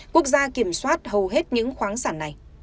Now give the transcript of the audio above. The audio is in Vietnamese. quốc gia kiểm soát hầu hết những khoáng sản này